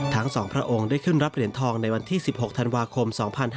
ทั้ง๒พระองค์ได้ขึ้นรับเหรียญทองในวันที่๑๖ธันวาคม๒๕๕๙